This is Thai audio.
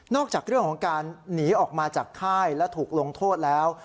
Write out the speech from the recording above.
จากเรื่องของการหนีออกมาจากค่ายและถูกลงโทษแล้ว